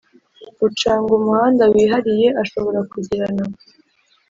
Ucunga umuhanda wihariye ashobora kugirana